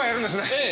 ええ。